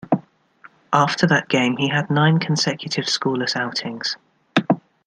After that game, he had nine consecutive scoreless outings.